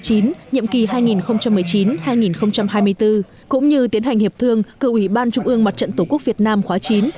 nhiệm kỳ hai nghìn một mươi chín hai nghìn hai mươi bốn cũng như tiến hành hiệp thương cựu ủy ban trung ương mặt trận tổ quốc việt nam khóa chín